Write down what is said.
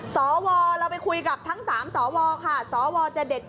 สวเราไปคุยกับทั้ง๓สวค่ะสวจะเด็ด